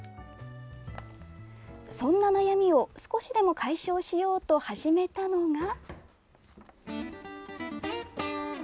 そんな悩みを少しでも解消しようと始めたのが。